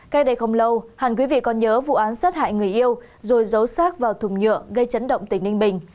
cách đây không lâu hẳn quý vị còn nhớ vụ án sát hại người yêu rồi giấu sát vào thùng nhựa gây chấn động tỉnh ninh bình